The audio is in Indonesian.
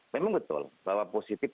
memang betul bahwa positif